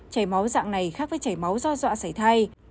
chảy máu dạng này khác với chảy máu do dọa xảy thai